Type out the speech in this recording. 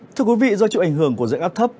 thưa quý vị do trụ ảnh hưởng của dưỡng áp thấp